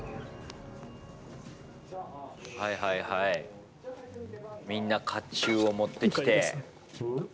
はいはいはいみんな甲冑を持ってきて。